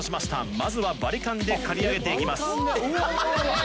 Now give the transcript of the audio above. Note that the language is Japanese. まずはバリカンで刈り上げていきます